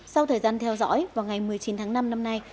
sau thời gian theo dõi vào ngày một mươi chín tháng năm năm nay